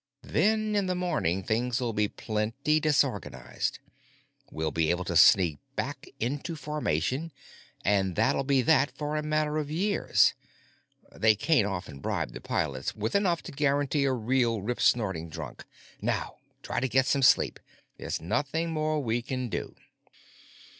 Then in the morning things'll be plenty disorganized. We'll be able to sneak back into formation—and that'll be that for a matter of years. They can't often bribe the pilots with enough to guarantee a real ripsnorting drunk. Now try and get some sleep. There's nothing more we can do."